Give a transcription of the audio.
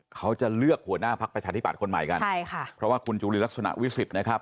เขาจะเลือกหัวหน้าพักประชาธิบัตย์คนใหม่กันใช่ค่ะเพราะว่าคุณจุลินลักษณะวิสิทธิ์นะครับ